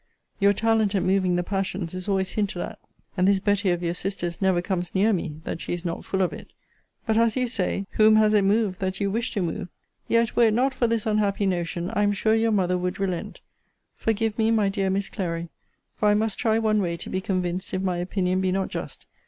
Your talent at moving the passions is always hinted at; and this Betty of your sister's never comes near me that she is not full of it. But, as you say, whom has it moved, that you wished to move? Yet, were it not for this unhappy notion, I am sure your mother would relent. Forgive me, my dear Miss Clary; for I must try one way to be convinced if my opinion be not just.